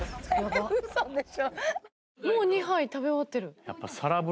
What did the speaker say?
もう２杯食べ終わってる。